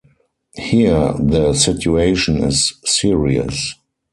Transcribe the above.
Here the situation is serious.